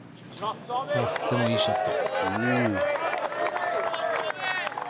でも、いいショット。